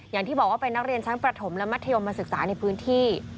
อย่างที่บอกว่าเป็นนักเรียนชั้นประถมและมัธยมมาศึกษาในพื้นที่